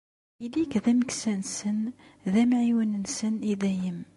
Ili-k d ameksa-nsen, d amɛiwen-nsen i dayem.